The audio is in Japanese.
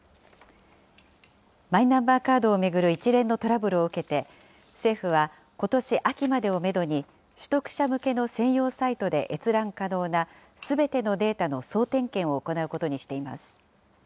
マイナンバーカードを巡る一連のトラブルを受けて、政府は、ことし秋までをメドに、取得者向けの専用サイトで閲覧可能なすべてのデータの総点検を行うことにしています。